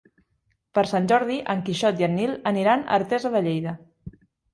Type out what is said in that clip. Per Sant Jordi en Quixot i en Nil aniran a Artesa de Lleida.